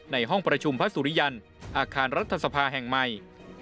ในห้องประชุมพระสุริยันต์อาคารรัฐสภาแห่งใหม่